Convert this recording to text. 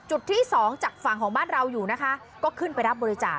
ที่สองจากฝั่งของบ้านเราอยู่นะคะก็ขึ้นไปรับบริจาค